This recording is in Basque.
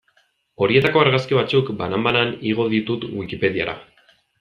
Horietako argazki batzuk, banan-banan, igo ditut Wikipediara.